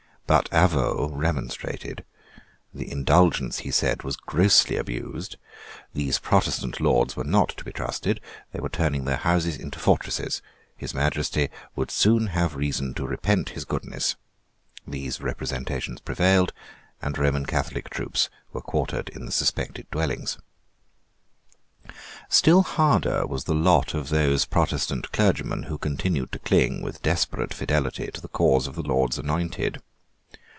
But Avaux remonstrated. The indulgence, he said, was grossly abused: these Protestant lords were not to be trusted: they were turning their houses into fortresses: his Majesty would soon have reason to repent his goodness. These representations prevailed; and Roman Catholic troops were quartered in the suspected dwellings, Still harder was the lot of those Protestant clergymen who continued to cling, with desperate fidelity, to the cause of the Lord's Anointed.